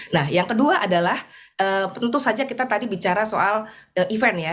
nah yang kedua adalah tentu saja kita tadi bicara soal event ya